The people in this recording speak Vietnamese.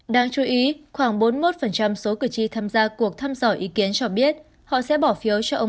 đáng chú ý khoảng bốn mươi một số cử tri tham gia cuộc thăm dò ý kiến cho biết họ sẽ bỏ phiếu cho ông